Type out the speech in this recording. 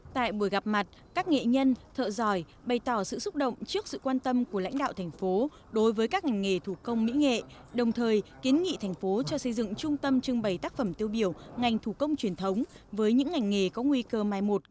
tại buổi gặp mặt các nghệ nhân thợ giỏi bày tỏ sự xúc động trước sự quan tâm của lãnh đạo thành phố đối với các ngành nghề thủ công mỹ nghệ đồng thời kiến nghị thành phố cho xây dựng trung tâm trưng bày tác phẩm tiêu biểu ngành thủ công truyền thống với những ngành nghề có nguy cơ mai một